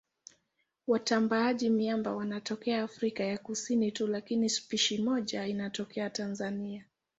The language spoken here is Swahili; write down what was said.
Watambaaji-miamba wanatokea Afrika ya Kusini tu lakini spishi moja inatokea Tanzania.